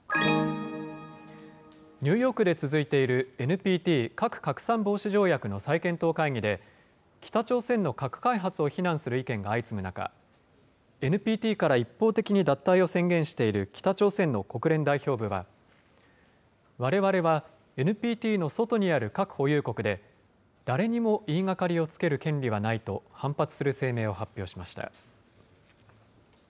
ニューヨークで続いているＮＰＴ・核拡散防止条約の再検討会議で、北朝鮮の核開発を非難する意見が相次ぐ中、ＮＰＴから一方的に脱退を宣言している北朝鮮の国連代表部は、われわれはＮＰＴの外にある核保有国で誰にも言いがかりをつける権利はないと反発する声明を発表しました。